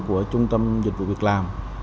của trung tâm dịch vụ việc làm